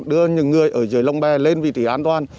đưa những người ở dưới lồng bè lên vị trí an toàn